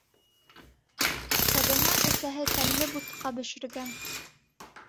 Ҡыҙыма әсәһе тәмле бутҡа бешергән.